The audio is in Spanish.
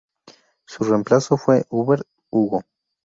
Su reemplazo fue Hubert Hugo.